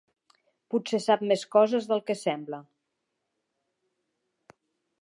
Potser sap més coses del que sembla.